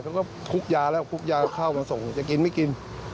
เขาก็คุกยาแล้วคุกยาเข้ามาส่งจะกินไม่กิน